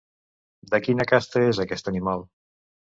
De quina casta és aquest animal?